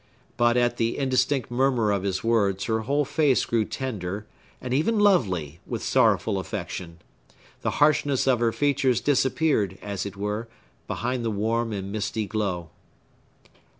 But at the indistinct murmur of his words her whole face grew tender, and even lovely, with sorrowful affection; the harshness of her features disappeared, as it were, behind the warm and misty glow.